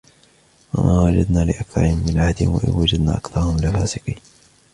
وما وجدنا لأكثرهم من عهد وإن وجدنا أكثرهم لفاسقين